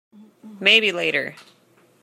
Maybe later.